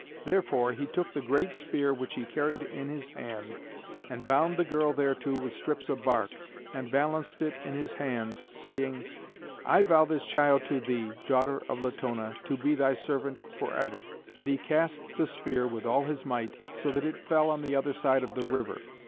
Therefore he took the great spear which he carried in his hand, and bound the girl thereto with strips of bark, and balanced it in his hands, saying, 'I vow this child to thee, daughter of Latona, to be thy servant for ever.' And he cast the spear with all his might, so that it fell on the other side of the river.